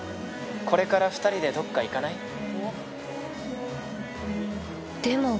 これから２人でどっか行かない？